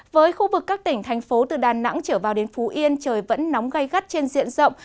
với khu vực các tỉnh thành phố từ đà nẵng trở vào đến phú yên trời vẫn nóng gây gắt trên diện rộng